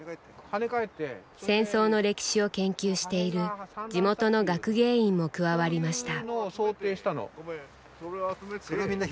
戦争の歴史を研究している地元の学芸員も加わりました。